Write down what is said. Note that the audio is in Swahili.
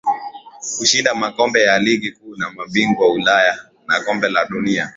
Kushinda makombe ya ligi kuu ya mabingwa Ulaya na Kombe la Dunia